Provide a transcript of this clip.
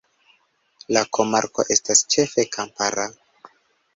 La komarko estas ĉefe kampara.